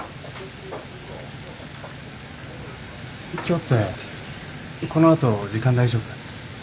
今日ってこの後時間大丈夫？